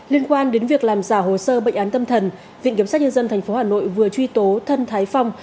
liên quan đến việc làm giả hồ sơ bệnh án tâm thần viện kiểm sát nhân dân tp hà nội vừa truy tố thân thái phong